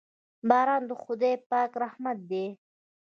باران د خداے پاک رحمت دے